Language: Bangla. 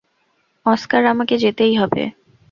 অস্কার, আমাকে যেতেই হবে।